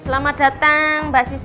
selamat datang mbak siska